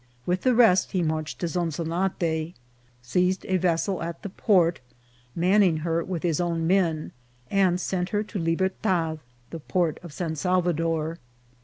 With the rest he marched to Zonzonate, seized a vessel at the port, manning her with his own men, and sent her to Libertad, the port of San Salvador.